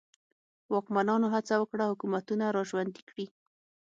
واکمنانو هڅه وکړه حکومتونه را ژوندي کړي.